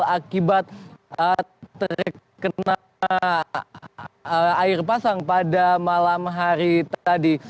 akibat terkena air pasang pada malam hari tadi